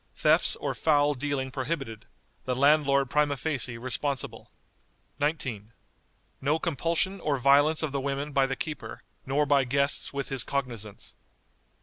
Thefts or foul dealing prohibited; the landlord prima facie responsible." "19. No compulsion or violence of the women by the keeper, nor by guests with his cognizance."